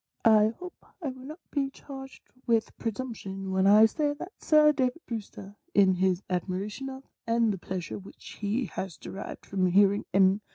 " I hope I will not be charged with presumption when I say that Sir David Brewster, in his admiration of, and the pleasure which he has derived from hearing M.